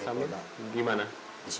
apa yang ditanyakan sama polisi